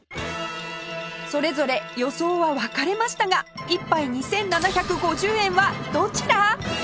それぞれ予想は分かれましたが１杯２７５０円はどちら？